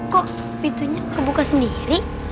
kok pintunya kebuka sendiri